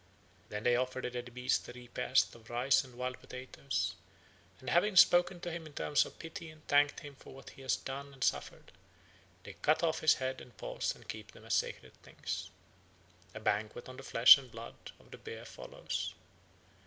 Then they offer the dead beast a repast of rice and wild potatoes, and having spoken to him in terms of pity and thanked him for what he has done and suffered, they cut off his head and paws and keep them as sacred things. A banquet on the flesh and blood of the bear follows.